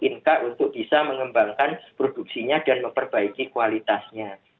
inka untuk bisa mengembangkan produksinya dan memperbaiki kualitasnya